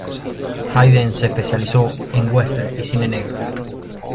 Hayden se especializó en westerns y cine negro.